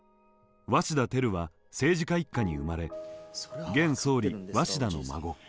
鷲田照は政治家一家に生まれ現総理鷲田の孫。